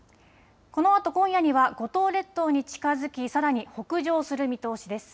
このあと今夜には五島列島に近づきさらに北上する見通しです。